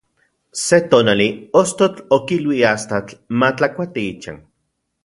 Se tonali, ostotl okilui astatl matlakuati ichan.